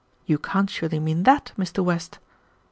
You can't surely mean that, Mr. West?"